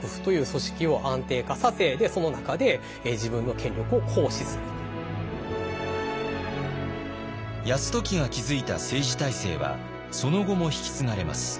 泰時が築いた政治体制はその後も引き継がれます。